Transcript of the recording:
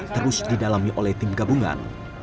terus didalami oleh tim gabungan